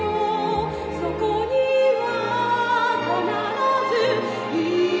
「そこには必ずいるはず」